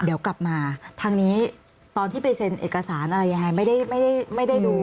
เดี๋ยวกลับมาทางนี้ตอนที่ไปเซ็นเอกสารอะไรยังไงไม่ได้ไม่ได้ดู